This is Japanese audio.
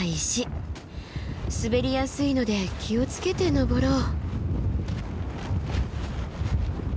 滑りやすいので気を付けて登ろう。